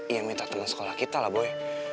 yang mita temen sekolah kita lah boy